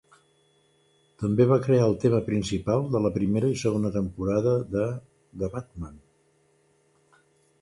També va crear el tema principal de la primera i segona temporada de "The Batman".